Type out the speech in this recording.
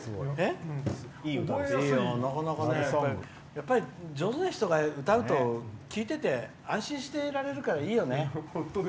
やっぱり上手な人が歌うと聴いていられるし安心できるからいいよね。